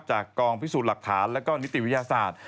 กองพิสูจน์หลักฐานและก็นิติวิทยาศาสตร์